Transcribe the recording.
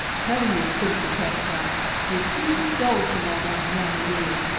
Tell ye, Cynthi' Prescott, ye're too indulgent on that man o' yourn!